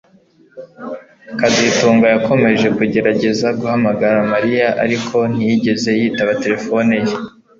kazitunga yakomeje kugerageza guhamagara Mariya ariko ntiyigeze yitaba telefoni ye